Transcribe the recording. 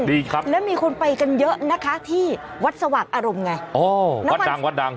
ดีครับแล้วมีคนไปกันเยอะนะคะที่วัดสว่างอารมณ์ไงอ๋อวัดดังวัดดัง